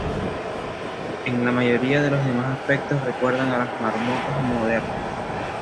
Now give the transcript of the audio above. En la mayoría de los demás aspectos recuerdan a las marmotas modernas.